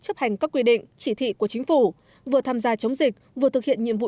chấp hành các quy định chỉ thị của chính phủ vừa tham gia chống dịch vừa thực hiện nhiệm vụ